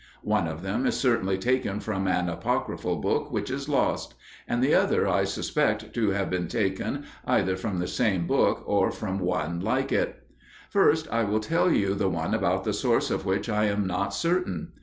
One of them is certainly taken from an apocryphal book which is lost; and the other I suspect to have been taken either from the same book or from one like it. First I will tell the one about the source of which I am not certain.